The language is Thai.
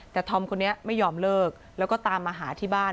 แต่ธอมคนนี้ไม่ยอมเลิกแล้วก็ตามมาหาที่บ้าน